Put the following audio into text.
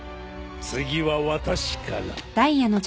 次は私から。